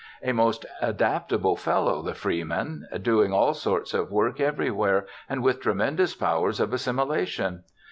A most adaptable fellow, this freeman, doing all sorts of work everywhere, and with tremendous powers of assimilation.